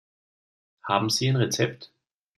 Haben Sie ein Rezept?